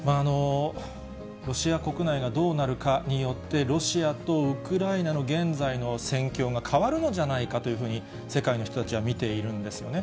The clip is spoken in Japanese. ロシア国内がどうなるかによって、ロシアとウクライナの現在の戦況が変わるのじゃないかというふうに世界の人たちは見ているんですよね。